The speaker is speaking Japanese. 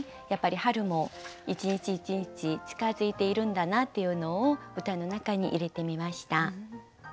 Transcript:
やっぱり春も一日一日近づいているんだなっていうのを歌の中に入れてみました。